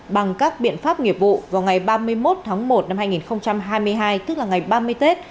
bằng các biện pháp nghiệp vụ vào ngày ba mươi một tháng một năm hai nghìn hai mươi hai tức là ngày ba mươi tết